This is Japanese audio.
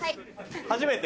初めて？